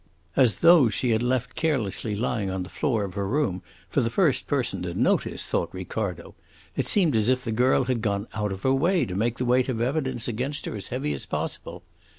As those she had left carelessly lying on the floor of her room for the first person to notice, thought Ricardo! It seemed as if the girl had gone out of her way to make the weight of evidence against her as heavy as possible.